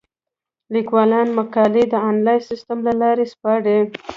لیکوالان مقالې د انلاین سیستم له لارې سپاري.